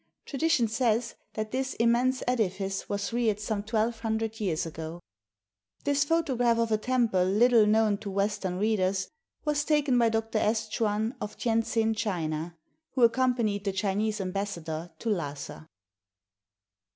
Tradition says that this immense edifice was reared some twelve hundred years ago. This photograph of a temple little known to Western readers was taken by Dr. S. Chuan, of Tientsin, China, who accompanied the Chinese ambassador to Lhasa.